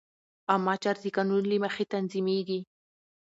عامه چارې د قانون له مخې تنظیمېږي.